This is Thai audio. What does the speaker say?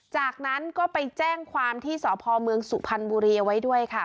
จากนั้นก็ไปแจ้งความที่สพเมืองสุพรรณบุรีเอาไว้ด้วยค่ะ